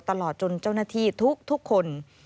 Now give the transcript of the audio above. ตลอดจนเจ้าหน้าที่ทุกคน